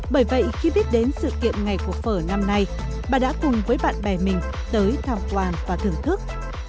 bởi vậy khi biết đến sự kiện ngày của phở năm nay bà đã cùng với bạn bè mình tới tham quan và thưởng thức